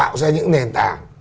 để tạo ra những nền tảng